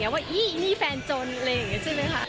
ว่าอีนี่แฟนจนอะไรอย่างนี้ใช่ไหมคะ